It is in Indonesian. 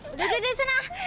udah udah deh sana